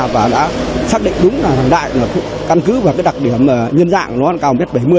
và đã xác định đúng là lê thanh đại là căn cứ và cái đặc điểm nhân dạng nó cao một m bảy mươi